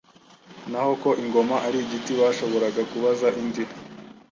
naho ko ingoma ari igiti, bashoboraga kubaza indi.